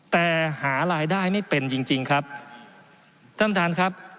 แต่หารายได้ไม่เป็นจริงครับท่านผู้ชมครับ